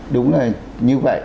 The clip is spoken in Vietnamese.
đúng rồi như vậy